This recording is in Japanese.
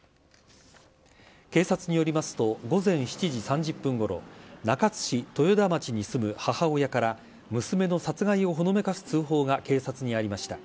警察によりますと午前７時３０分ごろ、中津市豊田町に住む母親から娘の殺害をほのめかす通報が警察にありました。